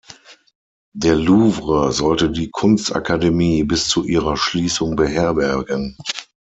Der Louvre sollte die Kunstakademie bis zu ihrer Schließung beherbergen.